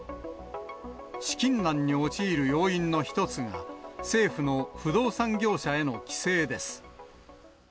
資金難に陥る要因の一つが、政府の不動産業者への規制です。